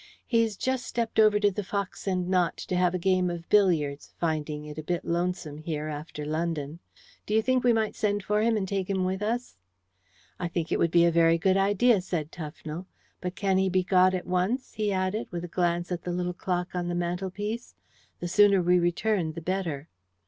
"He's just stepped over to the Fox and Knot to have a game of billiards, finding it a bit lonesome here, after London. Do you think we might send for him and take him with us?" "I think it would be a very good idea," said Tufnell. "But can he be got at once?" he added, with a glance at the little clock on the mantelpiece. "The sooner we return the better."